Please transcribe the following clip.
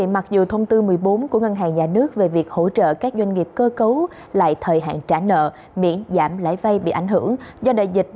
mặc dù thông tư một mươi bốn của ngân hàng nhà nước về việc hỗ trợ các doanh nghiệp cơ cấu lại thời hạn trả nợ miễn giảm lãi vay bị ảnh hưởng do đại dịch